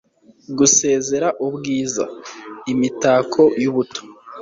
gusezera ubwiza, imitako yubuto